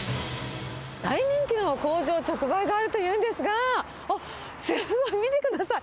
大人気の工場直売があるというんですが、あっ、すごい、見てください。